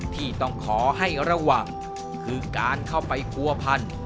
ที่ต้องขอให้ระวังคือการเข้าไปผัวพัน